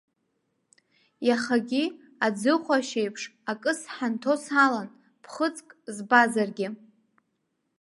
Иахагьы, аӡыхәашь еиԥш акы сҳанто салан, ԥхыӡк збазаргьы.